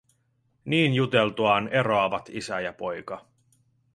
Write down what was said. Niin juteltuaan eroavat isä ja poika.